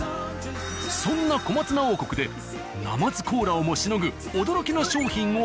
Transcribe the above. そんな小松菜王国でなまずコーラをもしのぐ驚きの商品を発見。